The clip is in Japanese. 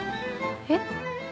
えっ？